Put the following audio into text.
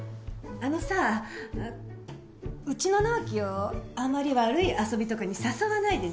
あのさうちの直樹をあんまり悪い遊びとかに誘わないでね。